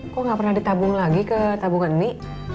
kok gak pernah ditabung lagi ke tabungan ini